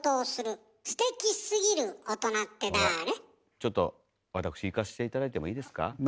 ちょっと私いかせて頂いてもいいですか？